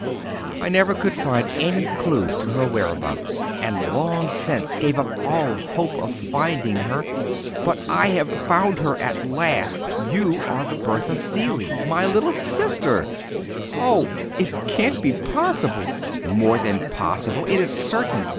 I never could find any clue to her whereabouts, and long since gave up all hope of finding her. But I have found her at last. You are Bertha Seeley, my little sister!" "Oh—can it be possible!" "More than possible—it is certain.